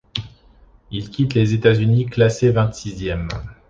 Il quitte les États-Unis classé vingt-sixième.